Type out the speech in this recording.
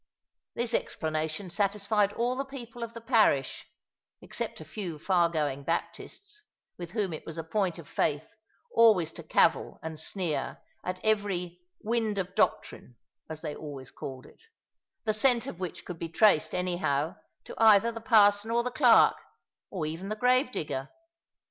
This explanation satisfied all the people of the parish, except a few far going Baptists, with whom it was a point of faith always to cavil and sneer at every "wind of doctrine" as they always called it the scent of which could be traced, anyhow, to either the parson or the clerk, or even the gravedigger.